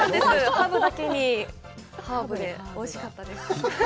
ハブだけに、ハーブで、おいしかったです。